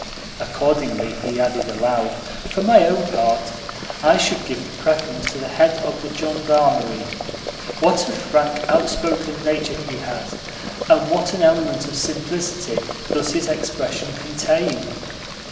Accordingly he added aloud: "For my own part, I should give the preference to the Head of the Gendarmery. What a frank, outspoken nature he has! And what an element of simplicity does his expression contain!"